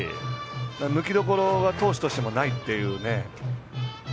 抜きどころが投手としてもないというね。